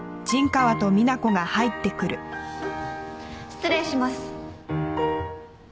失礼します。